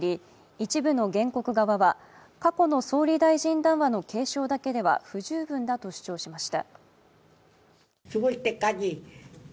一部の原告側は過去の総理大臣談話の継承だけでは不十分だと主張しました。